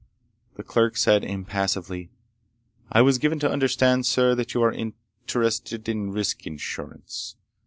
The clerk said impassively: "I was given to understand, sir, that you are interested in risk insurance.